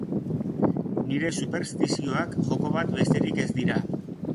Nire superstizioak joko bat besterik ez dira.